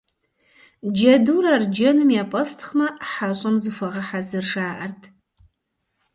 Джэдур арджэным епӀэстхъмэ, хьэщӀэм зыхуэгъэхьэзыр жаӏэрт.